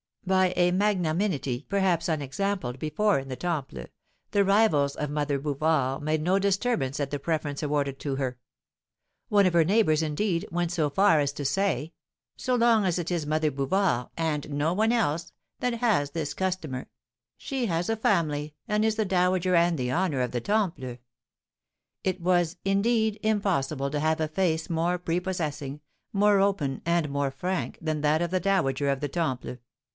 By a magnanimity, perhaps unexampled before in the Temple, the rivals of Mother Bouvard made no disturbance at the preference awarded to her. One of her neighbours, indeed, went so far as to say: [Illustration: Drew carefully out a sheet of paper. Original Etching by Adrian Marcel.] "So long as it is Mother Bouvard, and no one else, that has this customer; she has a family, and is the dowager and the honour of the Temple." It was, indeed, impossible to have a face more prepossessing, more open, and more frank than that of the dowager of the Temple.